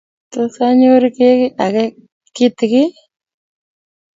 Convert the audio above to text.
Tos anyor keki age kitigin?